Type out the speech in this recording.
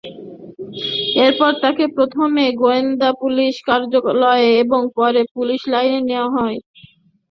এরপর তাঁকে প্রথমে গোয়েন্দা পুলিশের কার্যালয়ে এবং পরে পুলিশ লাইনে নেওয়া হয়।